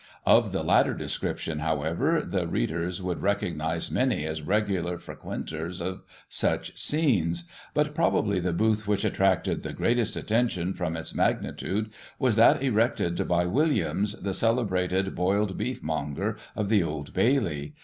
Of the latter description, however, the readers would recognize many as regular frequenters of such scenes; but, probably, the booth which attracted the greatest attention, from its magnitude, was that erected by Williams, the celebrated boiled beef monger of the Old Bailey.